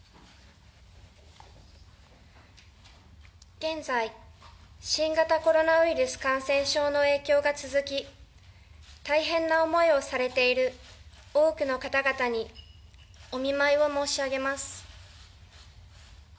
現在、新型コロナウイルス感染症の影響が続き、大変な思いをされている多くの方々にお見舞いを申し上げます。